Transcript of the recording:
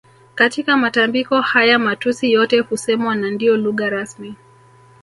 Katika matambiko haya matusi yote husemwa na ndio lugha rasmi